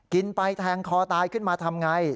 กินไปแทงคอตายขึ้นมาทำไง